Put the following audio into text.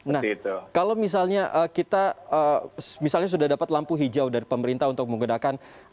nah kalau misalnya kita misalnya sudah dapat lampu hijau dari pemerintah untuk menggunakan